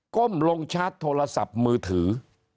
้มลงชาร์จโทรศัพท์มือถือ